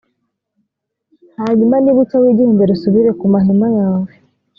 hanyuma nibucya, wigendere, usubire ku mahema yawe.